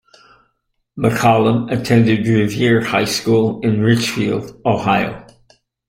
McCollum attended Revere High School in Richfield, Ohio.